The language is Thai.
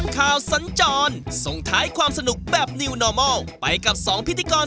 ของสันจร